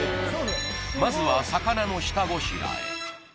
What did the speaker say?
まずは魚の下ごしらえ